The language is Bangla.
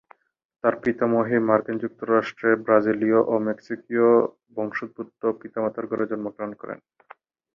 তার পিতামহী মার্কিন যুক্তরাষ্ট্রে ব্রাজিলীয় ও মেক্সিকীয় বংশোদ্ভূত পিতামাতার ঘরে জন্মগ্রহণ করেন।